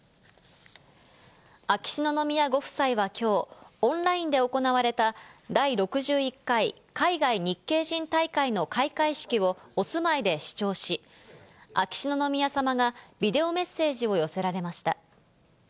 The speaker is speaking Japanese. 秋篠宮ご夫妻はきょう、オンラインで行われた第６１回海外日系人大会の開会式をお住まいで視聴し、秋篠宮さまがビデオメッセージを寄せられました。